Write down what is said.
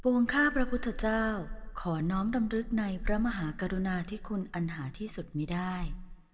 วงข้าพระพุทธเจ้าขอน้อมดำรึกในพระมหากรุณาที่คุณอันหาที่สุดมีได้